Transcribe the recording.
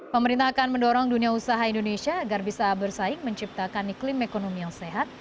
pemerintah akan mendorong dunia usaha indonesia agar bisa bersaing menciptakan iklim ekonomi yang sehat